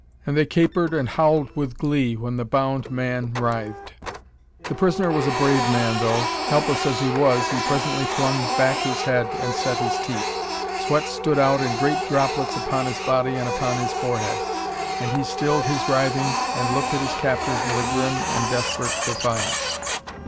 And they capered and howled with glee when the bound man writhed. The prisoner was a brave man, though. Helpless as he was, he presently flung back his head and set his teeth. Sweat stood out in great droplets upon his body and upon his forehead. And he stilled his writhings, and looked at his captors with a grim and desperate defiance.